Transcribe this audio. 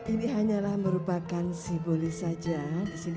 ini hanyalah merupakan simbolis saja di sini sama beratnya yaitu maksudnya